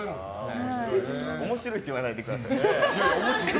面白いって言わないでください。